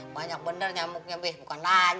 banyak bener nyamuknya be bukan lagi